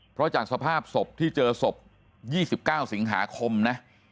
เพราะจากสภาพศพที่เจอศพ๒๙สิงหาคมนะ